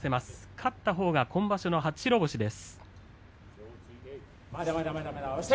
勝ったほうが今場所の初白星です。